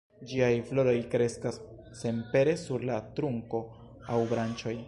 Ĝiaj floroj kreskas senpere sur la trunko aŭ branĉoj.